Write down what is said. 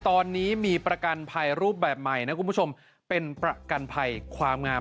ตอนนี้มีประกันภัยรูปแบบใหม่นะคุณผู้ชมเป็นประกันภัยความงาม